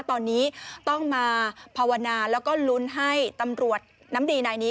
ตอนนี้ต้องมาภาวนาแล้วก็ลุ้นให้ตำรวจน้ำดีนายนี้